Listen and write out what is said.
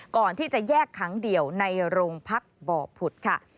ก่อนที่จะแยกขังเดี่ยวในโรงพักบ่อผุดค่ะ